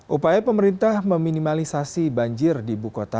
upaya pemerintah meminimalisasi banjir di ibu kota